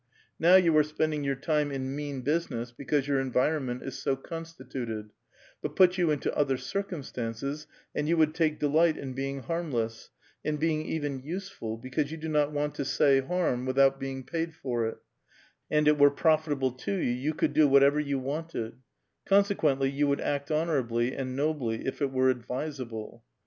Now you ^re spending your time in mean business because your envi ronment is so constituted, but put you into other circum stances, and you would take delight in being harmless, in be ins: even useful, because you do not want to do any harm 'Vrithont being paid for it, and it were profitable to you, you cy>uld do whatever you wanted ; consequently, you would act lionorably and nobly if it were advisable.